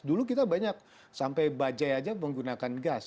dulu kita banyak sampai bajai aja menggunakan gas